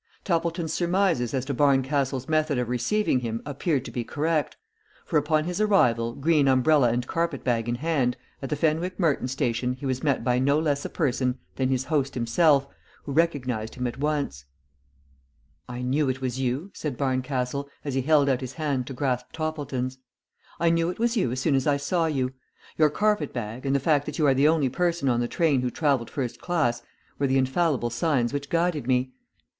TOPPLETON'S surmises as to Barncastle's method of receiving him appeared to be correct, for upon his arrival, green umbrella and carpet bag in hand, at the Fenwick Merton station he was met by no less a person than his host himself, who recognized him at once. "I knew it was you," said Barncastle, as he held out his hand to grasp Toppleton's. "I knew it was you as soon as I saw you. Your carpet bag, and the fact that you are the only person on the train who travelled first class, were the infallible signs which guided me."